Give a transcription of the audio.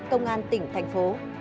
công an tỉnh thành phố